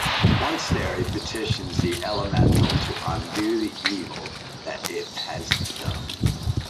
Once there, he petitions the elemental to undo the evil that it has done.